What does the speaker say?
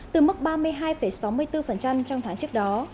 từ mức ba mươi hai sáu mươi bốn trong tháng trước đó